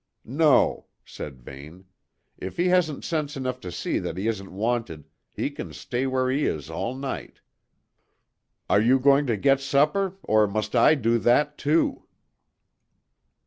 "No," said Vane. "If he hasn't sense enough to see that he isn't wanted, he can stay where he is all night. Are you going to get supper, or must I do that, too?"